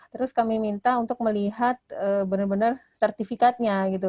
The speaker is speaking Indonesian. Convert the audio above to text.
terus kami minta untuk melihat benar benar sertifikatnya gitu